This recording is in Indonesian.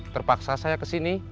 terpaksa saya ke sini